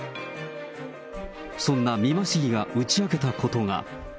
そんな美馬市議が打ち明けたことが。